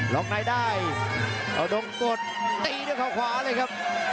ล็อกในได้เอาดงกดตีด้วยเขาขวาเลยครับ